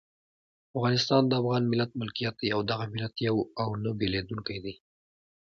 افغانستان د افغان ملت ملکیت دی او دغه ملت یو او نه بېلیدونکی دی.